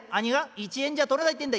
「一円じゃ取れないってんだ」。